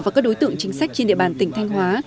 và các đối tượng chính sách trên địa bàn tỉnh thanh hóa